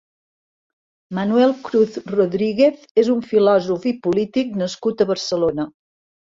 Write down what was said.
Manuel Cruz Rodríguez és un filòsof i polític nascut a Barcelona.